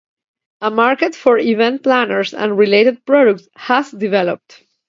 A market for event planners and "-"related products has developed.